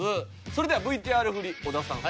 それではＶＴＲ振り小田さん